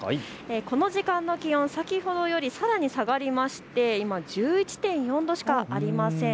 この時間の気温、先ほどよりさらに下がりまして今１１．４度しかありません。